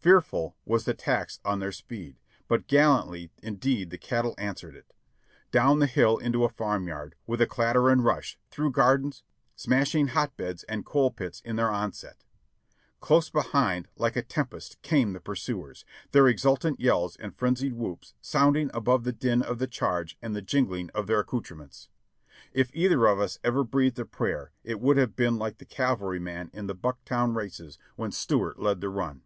Fearful was the tax on their speed, but gallantly indeed the cattle answered it. Down the hill into a farmyard, with a clatter and rush, through gardens, smashing hotbeds and coal pits in our onset. Close behind like a tempest came the pursuers, their exultant yells and frenzied whoops sounding above the din of the charge and the jingling of their accoutrements. If either of us ever breathed a prayer it would have been like the cavalryman in the "Bucktown Races," when Stuart led the run.